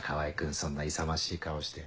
そんな勇ましい顔して。